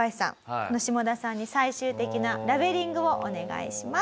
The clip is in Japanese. このシモダさんに最終的なラベリングをお願いします。